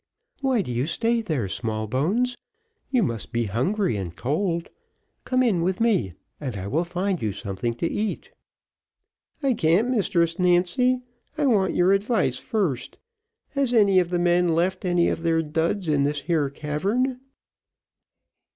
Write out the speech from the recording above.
"Why do you stay there, Smallbones? you must be hungry and cold, come in with me, and I will find you something to eat." "I can't, Mistress Nancy, I want your advice first. Has any of the men left any of their duds in this here cavern?"